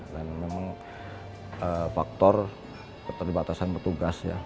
dan memang faktor keterbatasan petugas ya